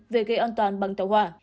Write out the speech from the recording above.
về gây an toàn bằng tàu hỏa